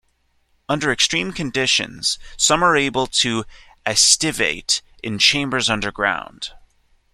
Under extreme conditions, some are able to aestivate in chambers under ground.